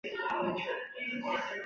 防护装甲与巡洋舰相当。